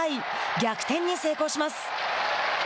逆転に成功します。